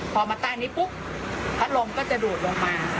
พอมาใต้นี้ปุ๊บพัดลมก็จะดูดลงมา